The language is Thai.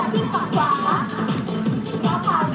ตรงตรงตรงตรงตรงตรง